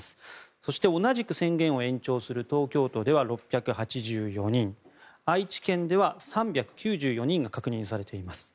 そして、同じく宣言を延長する東京都では６８４人愛知県では３９４人が確認されています。